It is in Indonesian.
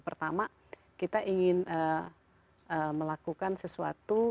pertama kita ingin melakukan sesuatu